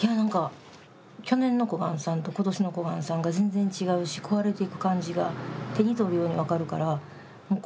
いや何か去年の小雁さんと今年の小雁さんが全然違うし壊れていく感じが手に取るように分かるからもう怖くて。